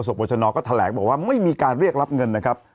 บรชนก็แถลงบอกว่าไม่มีการเรียกรับเงินนะครับ